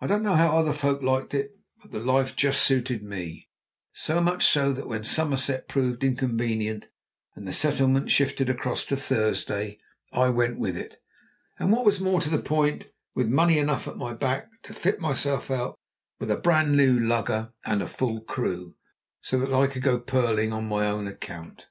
I don't know how other folk liked it, but the life just suited me so much so that when Somerset proved inconvenient and the settlement shifted across to Thursday, I went with it, and, what was more to the point, with money enough at my back to fit myself out with a brand new lugger and full crew, so that I could go pearling on my own account.